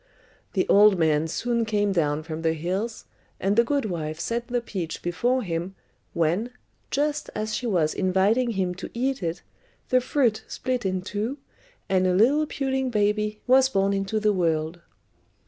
The old man soon came down from the hills, and the good wife set the peach before him, when, just as she was inviting him to eat it, the fruit split in two, and a little puling baby was born into the world.